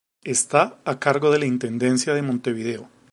Está a cargo de la Intendencia de Montevideo.